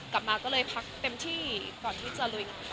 กลับมาก็เลยพักเต็มที่ก่อนที่จะลุย